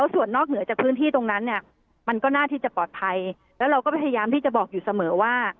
มันก็น่าจะที่จะปลอดภัยแล้วเราก็พยายามที่จะบอกอยู่เสมอว่า